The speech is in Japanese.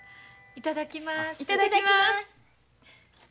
いただきます。